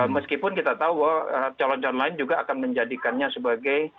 meskipun kita tahu calon calon lain juga akan menjadikannya sebagai